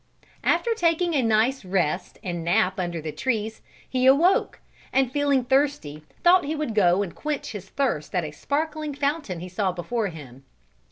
After taking a nice rest and nap under the trees, he awoke, and feeling thirsty thought he would go and quench his thirst at a sparkling fountain he saw before him.